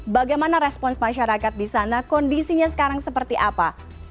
bagaimana respons masyarakat di sana kondisinya sekarang seperti apa